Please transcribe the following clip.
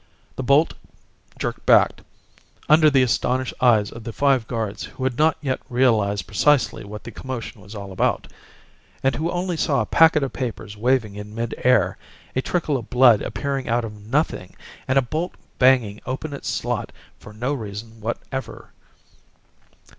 The bolt jerked back, under the astonished eyes of the five guards who had not yet realized precisely what the commotion was all about and who only saw a packet of papers waving in mid air, a trickle of blood appearing out of nothing, and a bolt banging open in its slot for no reason whatever.